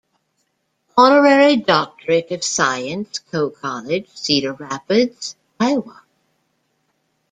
Honorary Doctorate of Science, Coe College, Cedar Rapids, Iowa.